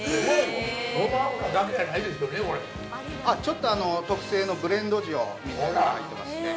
◆ちょっと特製のブレンド塩が入ってますね。